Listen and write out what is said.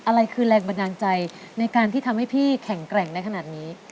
อะไรคือแรงบันดาลใจในการที่ทำให้พี่แข็งแกร่งได้ขนาดนี้